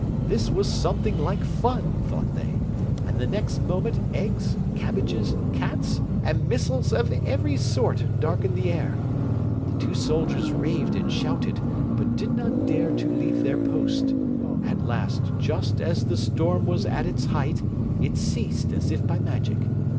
This was something like fun, thought they, and the next moment eggs, cabbages, cats, and missiles of every sort darkened the air. The two soldiers raved and shouted, but did not dare to leave their post. At last, just as the storm was at its height, it ceased, as if by magic.